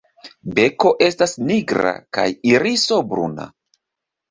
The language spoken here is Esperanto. Beko estas nigra kaj iriso bruna.